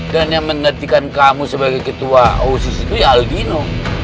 dan yang menggantikan kamu sebagai ketua osses itu ya aldino